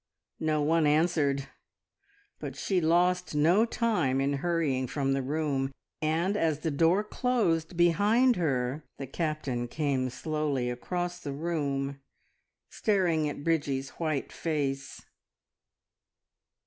No one answered, but she lost no time in hurrying from the room, and as the door closed behind her, the Captain came slowly across the room, staring at Bridgie's white face.